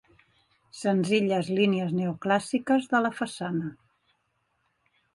Senzilles línies neoclàssiques de la façana.